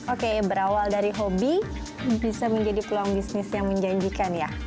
oke berawal dari hobi bisa menjadi peluang bisnis yang menjanjikan ya